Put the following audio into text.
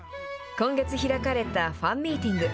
今月開かれたファンミーティング。